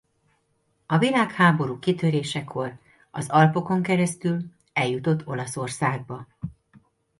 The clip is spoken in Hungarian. A világháború kitörésekor az Alpokon keresztül eljutott Olaszországba.